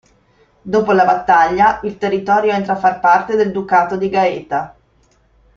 Dopo la battaglia il territorio entra a far parte del Ducato di Gaeta.